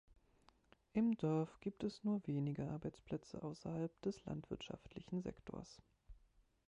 Im Dorf gibt es nur wenige Arbeitsplätze ausserhalb des landwirtschaftlichen Sektors.